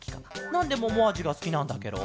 なんでももあじがすきなんだケロ？